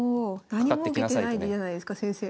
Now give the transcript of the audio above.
何も受けてないじゃないですか先生。